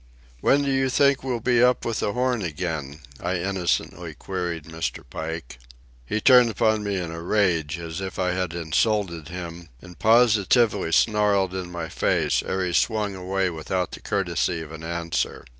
"When do you think we'll be up with the Horn again?" I innocently queried of Mr. Pike. He turned upon me in a rage, as if I had insulted him, and positively snarled in my face ere he swung away without the courtesy of an answer.